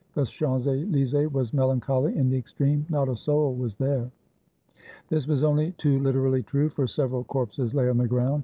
The Champs Elysees was melancholy in the ex treme; not a soul was there. This was only too Kterally true, for several corpses lay on the ground.